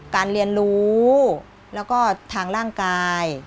การเรียนรู้แล้วก็ทางร่างกาย